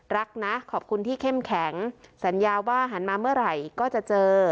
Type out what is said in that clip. รักนะขอบคุณที่เข้มแข็งสัญญาว่าหันมาเมื่อไหร่ก็จะเจอ